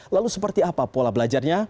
lalu seperti apa pola belajarnya